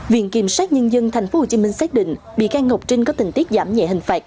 viện kiểm sát nhân dân tp hcm xác định bị can ngọc trinh có tình tiết giảm nhẹ hình phạt